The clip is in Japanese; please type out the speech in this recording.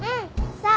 そう。